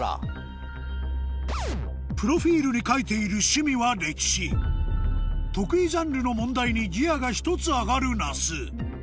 プロフィールに書いている趣味は歴史得意ジャンルの問題にギアが１つ上がる那須